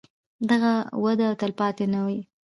دغه وده تلپاتې نه وي.